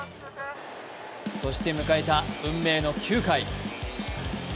そして迎えた運命の９回。